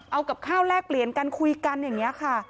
เอากับข้าวแลกเปลี่ยนกันคุยกันอย่างนี้ค่ะ